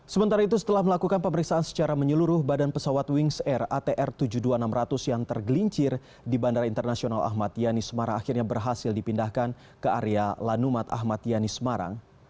sementara itu setelah melakukan pemeriksaan secara menyeluruh badan pesawat wings air atr tujuh puluh dua enam ratus yang tergelincir di bandara internasional ahmad yani semarang akhirnya berhasil dipindahkan ke area lanumat ahmad yani semarang